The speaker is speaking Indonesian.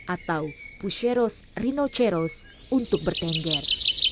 atau pusheros rinoceros untuk bertengger